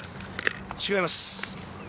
違います。